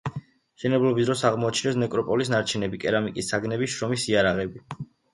მშენებლობის დროს აღმოაჩინეს ნეკროპოლის ნარჩენები, კერამიკის საგნები, შრომის იარაღები, სხვადასხვა სახის იარაღი.